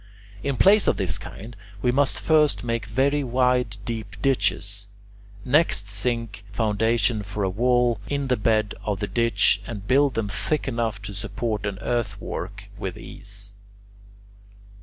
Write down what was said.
In places of this kind we must first make very wide, deep ditches; next sink foundations for a wall in the bed of the ditch and build them thick enough to support an earth work with ease.